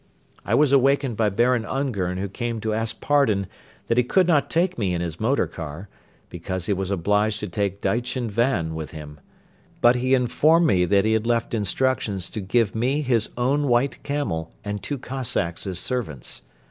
I was awakened by Baron Ungern who came to ask pardon that he could not take me in his motor car, because he was obliged to take Daichin Van with him. But he informed me that he had left instructions to give me his own white camel and two Cossacks as servants.